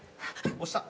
押した。